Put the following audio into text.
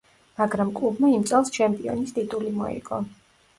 მაგრამ კლუბმა იმ წელს ჩემპიონის ტიტული მოიგო.